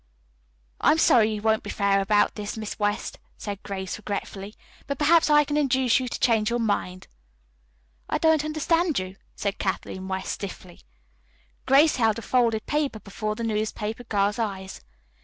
"I'm sorry you won't be fair about this, Miss West," said Grace regretfully, "but perhaps I can induce you to change your mind." "I don't understand you," said Kathleen West stiffly. Grace held a folded paper before the newspaper girl's eyes.